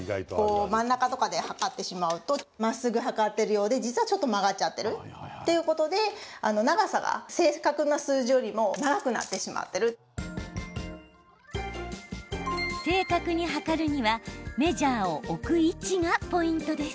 まっすぐ測っているようで実はちょっと曲がっちゃっているということで長さが正確に測るには、メジャーを置く位置がポイントです。